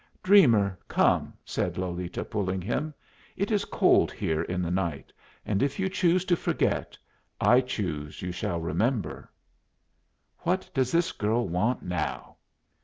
"Dreamer, come!" said Lolita, pulling him. "It is cold here in the night and if you choose to forget, I choose you shall remember." "What does this girl want now?"